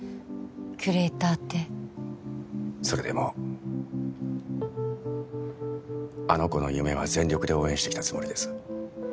キュレーターってそれでもあの子の夢は全力で応援してきたつもりです